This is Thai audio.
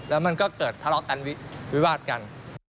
แล้วมันก็เกิดทะเลาะกันวิวาดกัน